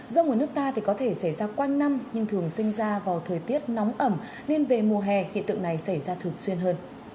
rông ở nước ta thì có thể xảy ra quanh năm nhưng thường sinh ra vào thời tiết nóng ẩm nên về mùa hè hiện tượng này xảy ra thường xuyên hơn